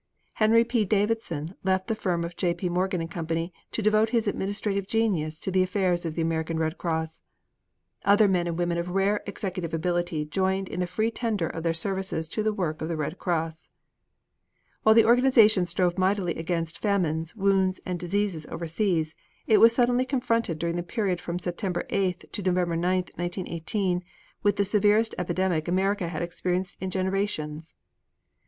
Henry P. Davidson left the firm of J. P. Morgan & Company to devote his administrative genius to the affairs of the American Red Cross. Other men and women of rare executive ability joined in the free tender of their services to the work of the Red Cross. While the organization strove mightily against famines, wounds and disease overseas, it was suddenly confronted during the period from September 8th to November 9th, 1918, with the severest epidemic America had experienced in generations.